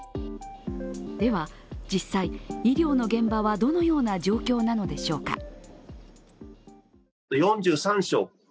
では、実際医療の現場はどのような状況なのでしょうか。